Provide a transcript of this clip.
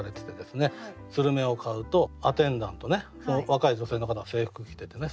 するめを買うとアテンダントね若い女性の方が制服着ててね